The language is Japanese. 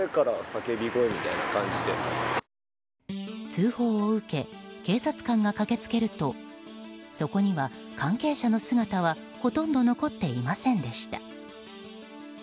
通報を受け警察官が駆けつけるとそこには関係者の姿はほとんど残っていませんでした。